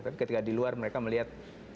tapi ketika di luar mereka melihat